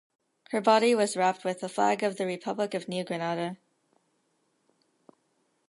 Her body was wrapped with the flag of the Republic of New Granada.